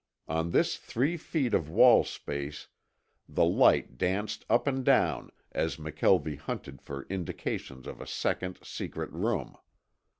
On this three feet of wall space the light danced up and down as McKelvie hunted for indications of a second secret room.